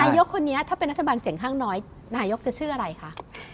ยกคนนี้ถ้าเป็นรัฐบาลเสียงข้างน้อยนายกจะชื่ออะไรคะ